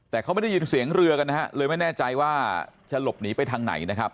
แต่เขาไม่ได้ยินเสียงเรือกันนะฮะเลยไม่แน่ใจว่าจะหลบหนีไปทางไหนนะครับ